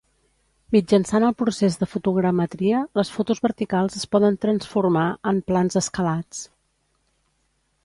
Mitjançant el procés de fotogrametria, les fotos verticals es poden transformar en plans escalats.